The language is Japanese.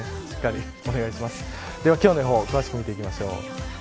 では今日の予報を詳しく見ていきましょう。